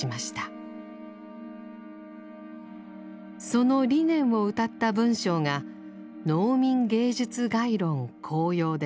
その理念をうたった文章が「農民芸術概論綱要」です。